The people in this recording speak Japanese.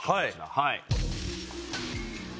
はい。